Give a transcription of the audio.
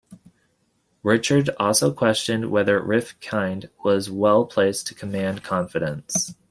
Richards also questioned whether Rifkind was well-placed to command confidence.